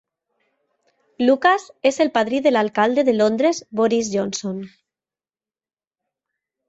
Lucas és el padrí de l'alcalde de Londres, Boris Johnson.